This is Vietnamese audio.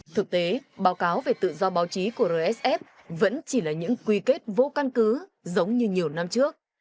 thực tế báo cáo về tự do báo chí của rsf vẫn chỉ là những quy kết vô căn cứ giống như nhiều năm trước